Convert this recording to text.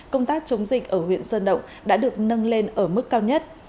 công tác chống dịch ở huyện sơn động đã được nâng lên ở mức cao nhất